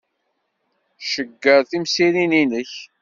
Cegger timsirin-nnek.